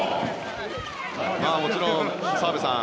もちろん澤部さん